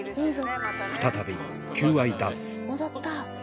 再び求愛ダンス踊った！